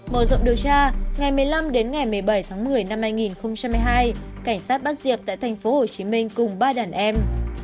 mở rộng điều tra ngày một mươi năm đến ngày một mươi bảy tháng một mươi năm hai nghìn một mươi hai cảnh sát bắt diệp tại thành phố hồ chí minh cùng ba đàn em